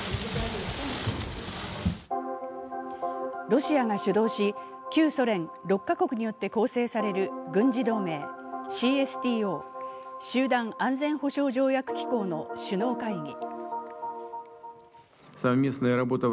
ロシアが主導し、旧ソ連６か国によって構成される軍事同盟ＣＳＴＯ＝集団安全保障条約機構の首脳会議。